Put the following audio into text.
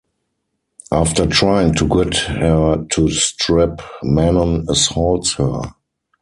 After trying to get her to strip, Manon assaults her.